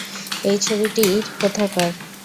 এই ছবিটির কোথাকার?